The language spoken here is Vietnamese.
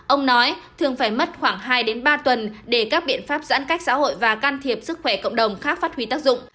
ông nói thường phải mất khoảng hai ba tuần để các biện pháp giãn cách xã hội và can thiệp sức khỏe cộng đồng khác phát huy tác dụng